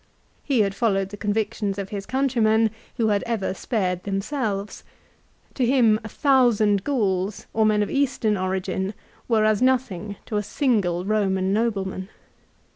He had followed the convictions of his countrymen who had ever spared themselves. To him a thousand Gauls, or men of Eastern origin, were as nothing to a single Eoman nobleman.